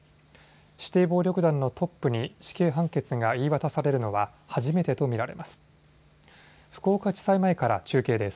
指定暴力団のトップに死刑判決が言い渡されるのは初めてと見られます。